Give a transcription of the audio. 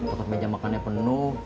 otot meja makannya penuh